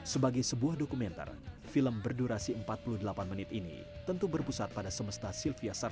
sebagai sebuah dokumenter film berdurasi empat puluh delapan menit ini tentu berpusat pada semesta sylvia sarja